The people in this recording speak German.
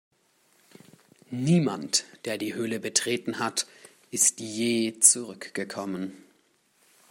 Niemand, der die Höhle betreten hat, ist je zurückgekommen.